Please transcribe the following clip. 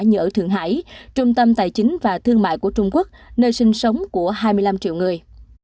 như ở thượng hải trung tâm tài chính và thương mại của trung quốc nơi sinh sống của hai mươi năm triệu người